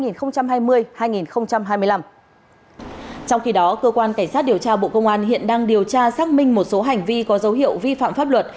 trong khi đó cơ quan cảnh sát điều tra bộ công an hiện đang điều tra xác minh một số hành vi có dấu hiệu vi phạm pháp luật